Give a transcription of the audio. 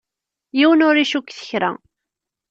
Yiwen ur icukket kra.